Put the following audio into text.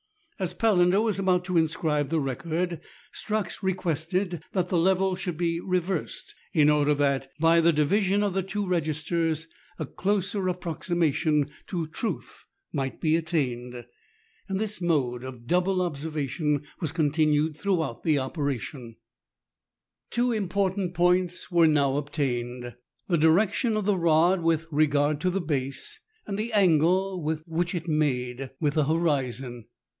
As Palander was about to inscribe the record, Strux requested that the level should be reversed, in order that by the division of the two registers a closer approxima tion to truth might be attained. This mode of double observation was continued throughout the operations. THREE ENGLISHMEN AND THREE RUSSIANS. 65 Two important points were now obtained : the dirLction of the rod with regard to the base, and the angle which it made with the horizon.